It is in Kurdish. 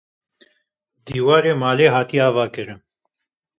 Dîwarê malê hatiye avakirin